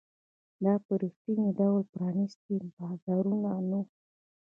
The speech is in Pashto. دا په رښتیني ډول پرانیستي بازارونه نه وو.